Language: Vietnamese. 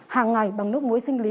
hàng ngày bằng nước muối sinh lý